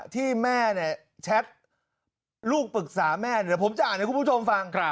ที่แม่แชทลูกปรึกษาแม่ผมจะอ่านให้คุณผู้ชมฟัง